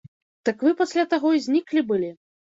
Так вы пасля таго і зніклі былі.